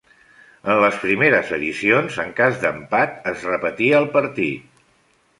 En les primeres edicions, en cas d'empat es repetia el partit.